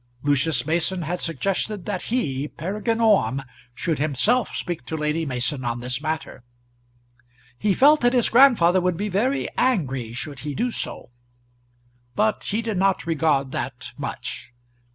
Lucius Mason had suggested that he, Peregrine Orme, should himself speak to Lady Mason on this matter. He felt that his grandfather would be very angry, should he do so. But he did not regard that much.